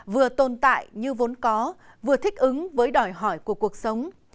vừa tồn tại như vốn có vừa thích ứng với đòi hỏi của cuộc sống